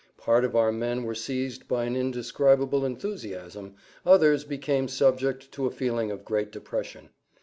Part of our men were seized by an indescribable enthusiasm, others became subject to a feeling of great depression.